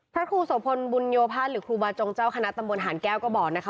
พระครูโสพลบุญโยภาษหรือครูบาจงเจ้าคณะตำบลหารแก้วก็บอกนะคะ